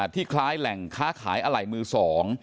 ที่คล้ายแหล่งค้าขายอะไหล่มือสอง